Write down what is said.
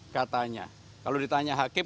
katanya kalau ditanya hakim